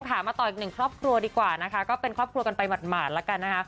มาต่ออีกหนึ่งครอบครัวดีกว่านะคะก็เป็นครอบครัวกันไปหมาดแล้วกันนะคะ